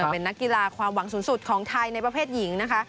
เป็นนักกีฬาความหวังสูงสุดของไทยในประเภทหญิงนะคะ